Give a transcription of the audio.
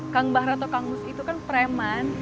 kang bahar atau kang mus itu kan preman